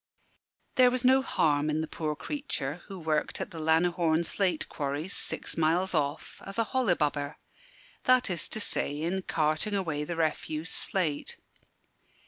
There was no harm in the poor creature, who worked at the Lanihorne slate quarries, six miles off, as a "hollibubber" that is to say, in carting away the refuse slate.